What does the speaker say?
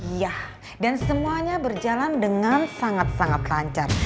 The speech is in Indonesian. iya dan semuanya berjalan dengan sangat sangat lancar